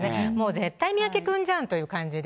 絶対三宅君じゃんという感じで。